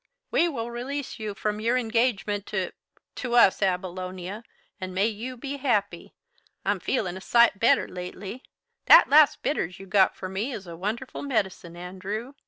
We will release you from your engagement to to us, Abilonia and may you be happy! I'm feelin' a sight better lately; that last bitters you got for me is a wonderful medicine, Andrew.